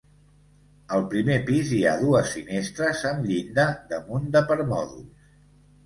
Al primer pis hi ha dues finestres amb llinda damunt de permòdols.